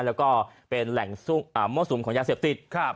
แล้วก็เป็นแหล่งอ่ามสุมของยาเสียบติดครับ